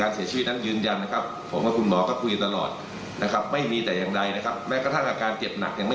อาจจะสร้างความแตกตื่นให้กับพี่น้องประชาชนใกล้เคียง